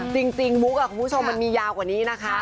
จริงมุกของผู้ชมมันมียาวกว่านี้นะคะ